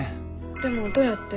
でもどうやって？